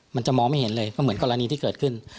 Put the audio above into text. มันจะมองไม่เห็นเลยเพราะเหมือนกรณีที่เกิดขึ้น